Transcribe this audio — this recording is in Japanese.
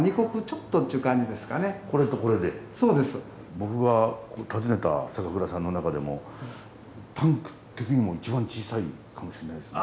僕が訪ねた酒蔵さんの中でもタンク的にも一番小さいかもしれないですね。